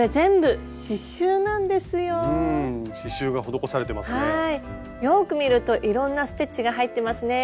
よく見るといろんなステッチが入ってますね。